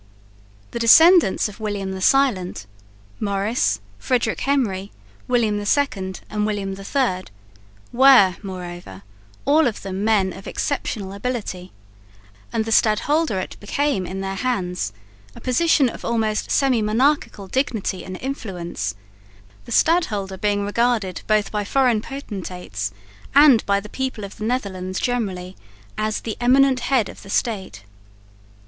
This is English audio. The descendants of William the Silent Maurice, Frederick Henry, William II and William III were, moreover, all of them men of exceptional ability; and the stadholderate became in their hands a position of almost semi monarchical dignity and influence, the stadholder being regarded both by foreign potentates and by the people of the Netherlands generally as "the eminent head of the State."